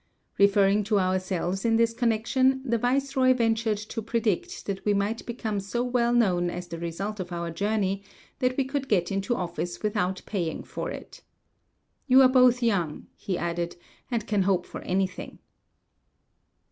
Referring to ourselves in this connection, the viceroy ventured to predict that we might become so well known as the result of our journey that we could get into office without paying for it. "You are both young," he added, "and can hope for anything."